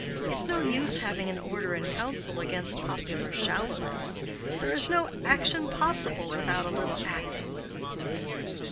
It's no use having an Order in Council against popular shallowness. There is no action possible without a little acting."